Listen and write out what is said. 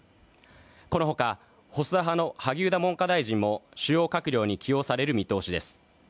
このほか、細田派の萩生田文科大臣も主要閣僚に就任させる予定です。